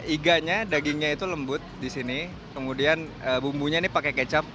iganya dagingnya itu lembut di sini kemudian bumbunya ini pakai kecap